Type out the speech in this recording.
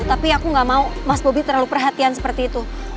tapi aku gak mau mas bobi terlalu perhatian seperti itu